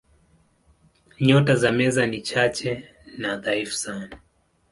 Nyota za Meza ni chache na dhaifu sana.